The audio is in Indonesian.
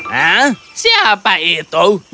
hah siapa itu